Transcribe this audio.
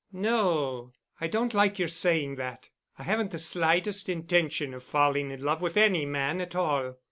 "No. I don't like your saying that. I haven't the slightest intention of falling in love with any man at all.